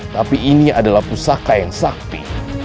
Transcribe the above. tapi ini adalah pusaka yang sakti